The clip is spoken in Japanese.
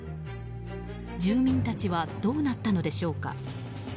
住民たちはどうなったのでしょうか。